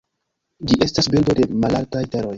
Ĝi estas birdo de malaltaj teroj.